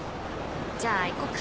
じゃあ行こっか。